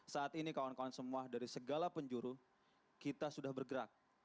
saat ini kawan kawan semua dari segala penjuru kita sudah bergerak